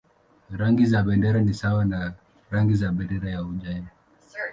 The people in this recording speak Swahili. Rangi za bendera ni sawa na rangi za bendera ya Uajemi.